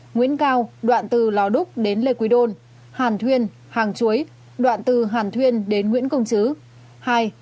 nguyễn cao đoạn từ lò đúc đến lê quý đôn hàn thuyên hàng chuối